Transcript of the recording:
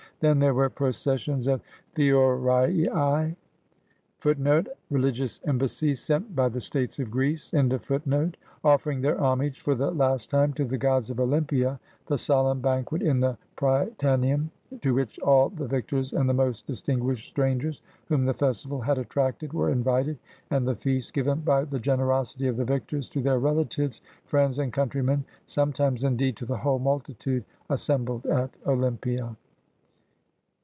Then there were processions of theoriai ^ offering their homage for the last time to the gods of Olympia, the solemn banquet in the Prytaneum, to which all the victors and the most distinguished strangers whom the festival had attracted were invited, and the feasts given by the generosity of the victors to their relatives, friends, and countrymen — sometimes, indeed, to the whole multitude assembled at Olympia.